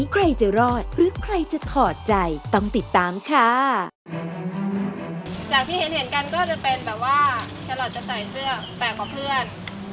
แคลรอทจะใส่เสื้อแตกกว่าเพื่อน